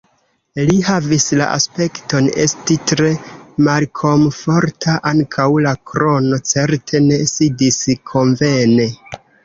Li havis la aspekton esti tre malkomforta; ankaŭ la krono certe ne sidis konvene.